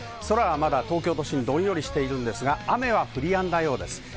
空はまだ東京都心、どんよりしているんですが、雨は降りやんだようです。